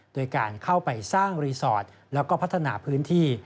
โดยการเข้าไปสร้างรีสอร์ทแล้วก็พัฒนาพื้นที่